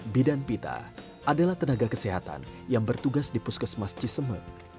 bidan pita adalah tenaga kesehatan yang bertugas di puskesmas ciseme